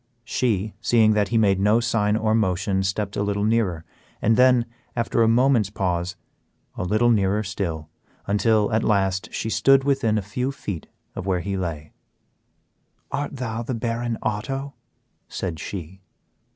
She, seeing that he made no sign or motion, stepped a little nearer, and then, after a moment's pause, a little nearer still, until, at last, she stood within a few feet of where he lay. "Art thou the Baron Otto?" said she.